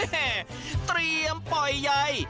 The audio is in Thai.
เฮ้เฮเฮเทรียมป่อยใย